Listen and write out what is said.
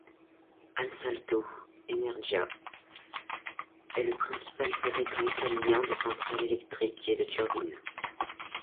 Ansaldo Energia est le principal fabricant italien de centrales électriques et de turbines.